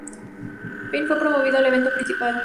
Penn fue promovido al evento principal.